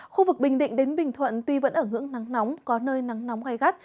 khu vực bình định đến bình thuận tuy vẫn ở ngưỡng nắng nóng có nơi nắng nóng gai gắt